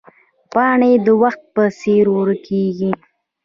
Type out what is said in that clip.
پاڼې د وخت په څېر ورکېږي